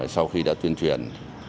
sau khi đã tuyên truyền